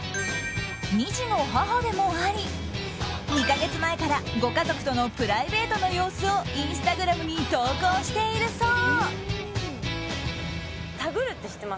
２児の母でもあり２か月前からご家族とのプライベートの様子をインスタグラムに投稿しているそう。